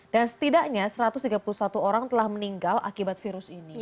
dan setidaknya satu ratus tiga puluh satu orang telah meninggal akibat virus ini